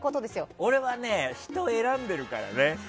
俺は人を選んでるからね。